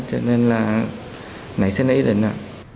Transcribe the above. cho nên là nãy xin lấy đến ạ